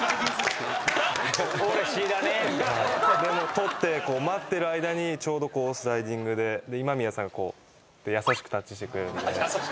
捕って待ってる間にちょうどスライディングで今宮さんがこう優しくタッチしてくれるんで。